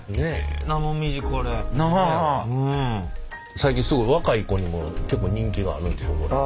最近すごい若い子にも結構人気があるということで。